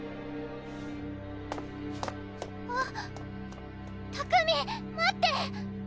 あっ拓海待って！